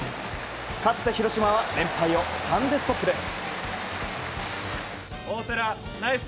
勝った広島は連敗を３でストップです。